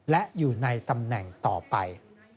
และอยู่ในตำแหน่งต่อไป